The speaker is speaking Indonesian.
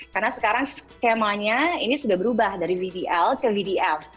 karena sekarang skemanya ini sudah berubah dari vdl ke vdf